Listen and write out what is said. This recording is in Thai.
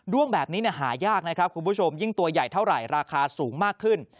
้วงแบบนี้หายากนะครับคุณผู้ชมยิ่งตัวใหญ่เท่าไหร่ราคาสูงมากขึ้น